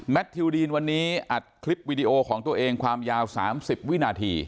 ทิวดีนวันนี้อัดคลิปวิดีโอของตัวเองความยาว๓๐วินาที